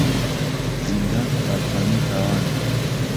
زیندان قوتابخانەی تاوانە.